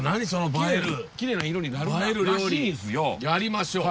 やりましょう。